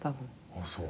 ああそう。